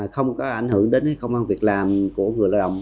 không có ảnh hưởng đến công an việc làm của người lao động